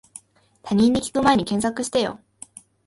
他人に聞くまえに検索してよ